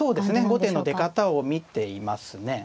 後手の出方を見ていますね。